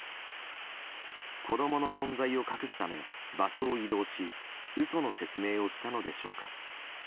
子供の存在を隠すため場所を移動し嘘の説明をしたのでしょうか。